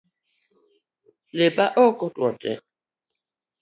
Lepa ok otuo tee